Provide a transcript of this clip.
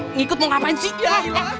ngikut mau ngapain sih